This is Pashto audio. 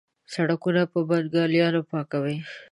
سړکونه په بنګالیانو پاکوي.